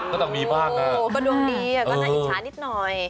ก็ดวงดีก็หน้าอิจฉานิดหน่อย